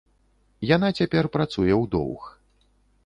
Яна цяпер працуе ў доўг.